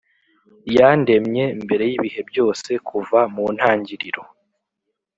Yandemye mbere y’ibihe byose, kuva mu ntangiriro,